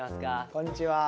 こんにちは。